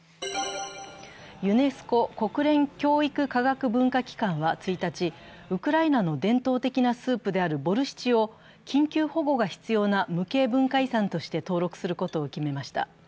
ユネスコ＝国連教育科学文化機関は１日、ウクライナの伝統的なスープであるボルシチを緊急保護が必要な無形文化遺産として登録することを決めました。